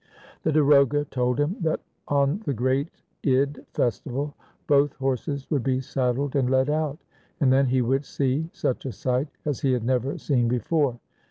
The darogha told him that on the great Id festival both horses would be saddled and led out, and then he would see such a sight as he had never seen before.